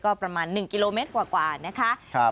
ก็ประมาณ๑กิโลเมตรกว่านะคะ